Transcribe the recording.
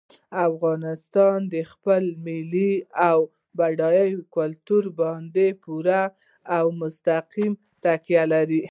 افغانستان په خپل ملي او بډایه کلتور باندې پوره او مستقیمه تکیه لري.